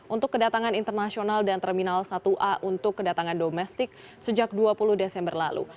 untuk kedatangan internasional dan terminal satu a untuk kedatangan domestik sejak dua puluh desember lalu